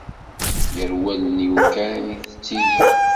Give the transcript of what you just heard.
Gar wallen-iw kan i tettili.